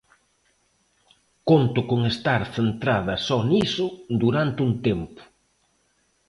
Conto con estar centrada só niso durante un tempo.